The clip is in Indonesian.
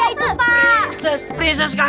udah cepat bawa aja di raya